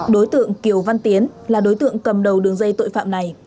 đối tượng kiều văn tiến là đối tượng cầm đầu đường dây tội phạm này